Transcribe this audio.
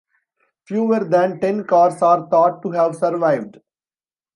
Fewer than ten cars are thought to have survived.